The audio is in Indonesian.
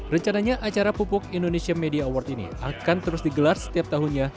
rencananya acara pupuk indonesia media award ini akan terus digelar setiap tahunnya